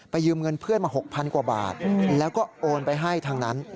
ยืมเงินเพื่อนมา๖๐๐กว่าบาทแล้วก็โอนไปให้ทางนั้น